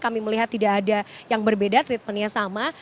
kami melihat tidak ada yang berbeda treatmentnya sama